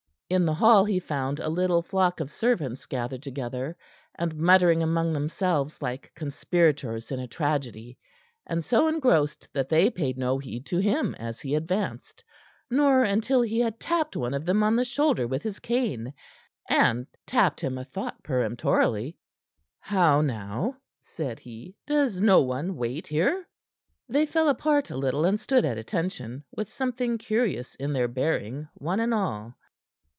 In the hall he found a little flock of servants gathered together, and muttering among themselves like conspirators in a tragedy; and so engrossed that they paid no heed to him as he advanced, nor until he had tapped one of them on the shoulder with his cane and tapped him a thought peremptorily. "How now?" said he. "Does no one wait here?" They fell apart a little, and stood at attention, with something curious in their bearing, one and all.